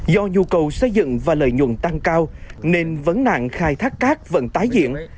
do nhu cầu xây dựng và lợi nhuận tăng cao nên vấn nạn khai thác cát vẫn tái diễn